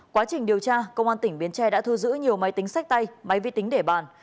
quá trình điều tra công an tỉnh bến tre đã thu giữ nhiều máy tính sách tay máy vi tính để bàn